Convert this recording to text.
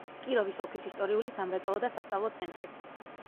კიროვის ოლქის ისტორიული, სამრეწველო და სასწავლო ცენტრი.